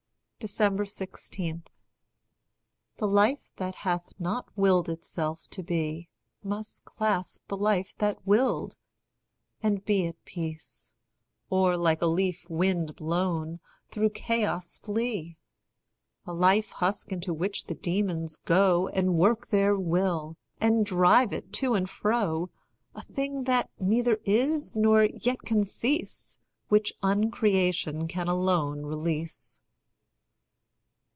16. The life that hath not willed itself to be, Must clasp the life that willed, and be at peace; Or, like a leaf wind blown, through chaos flee; A life husk into which the demons go, And work their will, and drive it to and fro; A thing that neither is, nor yet can cease, Which uncreation can alone release.